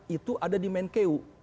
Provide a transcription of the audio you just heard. itu ada di menkeu